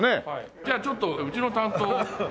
じゃあちょっとうちの担当を。